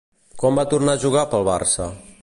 Quan va tornar a jugar per al Barça?